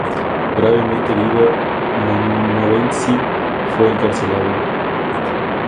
Gravemente herido, Montmorency fue encarcelado.